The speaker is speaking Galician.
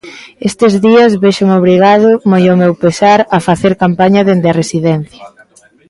Estes días véxome obrigado, moi ao meu pesar, a facer campaña dende a residencia.